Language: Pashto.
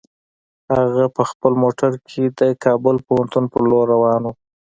هغه په خپل موټر کې د کابل پوهنتون په لور روان و.